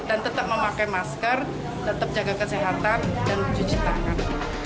dan tetap memakai masker tetap jaga kesehatan dan cuci tangan